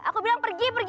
aku bilang pergi pergi